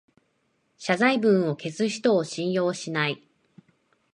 謝罪文を消す人を信用しない